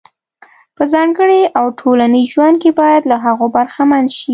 په ځانګړي او ټولنیز ژوند کې باید له هغو برخمن شي.